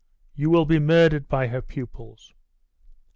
'You will be murdered by her pupils.